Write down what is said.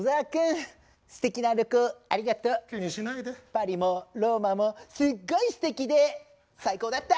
パリもローマもすっごいすてきで最高だった！